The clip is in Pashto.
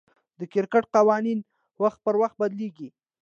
د کرکټ قوانين وخت پر وخت بدليږي.